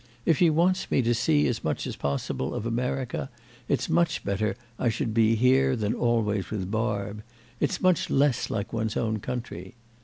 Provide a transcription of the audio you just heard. If she wants me to see as much as possible of America it's much better I should be here than always with Barb—it's much less like one's own country.